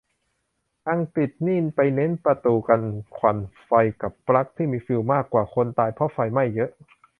อังกฤษนี่ไปเน้นประตูกันควันไฟกับปลั๊กที่มีฟิวส์มากกว่า คนตายเพราะไฟไหม้เยอะ